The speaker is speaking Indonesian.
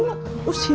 satu dua tiga